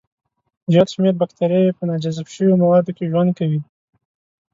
زیات شمېر بکتریاوي په ناجذب شوو موادو کې ژوند کوي.